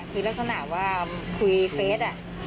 คือลักษณะว่าคุยเฟส